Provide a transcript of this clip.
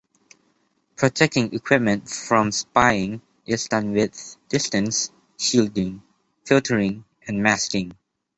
Protecting equipment from spying is done with distance, shielding, filtering, and masking.